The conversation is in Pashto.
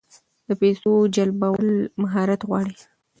د پیسو جلبول مهارت غواړي.